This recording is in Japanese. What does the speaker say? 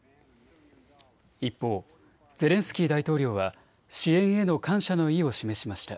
一方、ゼレンスキー大統領は支援への感謝の意を示しました。